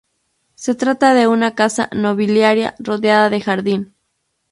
Se trata de una casa nobiliaria rodeada de jardín.